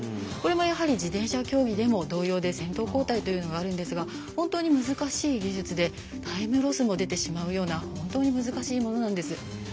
これもやはり自転車競技も同様で先頭交代というのがあるんですが本当に難しい技術でタイムロスも出てしまうような本当に難しいものなんです。